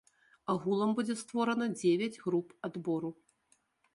Агулам будзе створана дзевяць груп адбору.